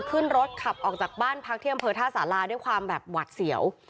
ขึ้นรถขับออกจากบ้านพักที่อำเภอท่าสาราด้วยความแบบหวัดเสียว